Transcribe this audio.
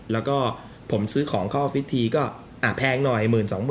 แล้วก็ผมซื้อของเข้าออฟฟิศทีก็แพงหน่อย๑๐๐๐๐๒๐๐๐๐บาท